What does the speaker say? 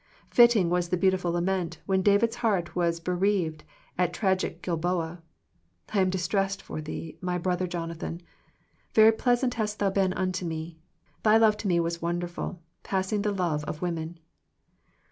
Fitting was the beautiful lament, when David's heart was bereaved at tragic Gil boa, I am distressed for thee, my brother Jonathan: very pleasant hast thou been unto me: thy love to me was wonderful, passing the love of women."